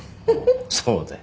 そうだよ